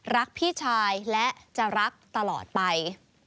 พี่ชายและจะรักตลอดไป